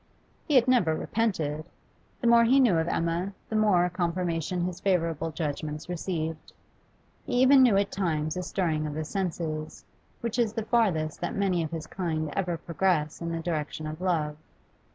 He had never repented. The more he knew of Emma, the more confirmation his favourable judgments received. He even knew at times a stirring of the senses, which is the farthest that many of his kind ever progress in the direction of love.